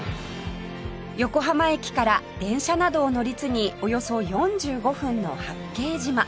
横浜駅から電車などを乗り継ぎおよそ４５分の八景島